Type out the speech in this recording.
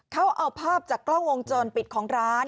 เขาเอาภาพจากกล้องวงจรปิดของร้าน